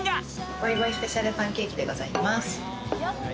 ＶｏｉＶｏｉスペシャルパンケーキでございます。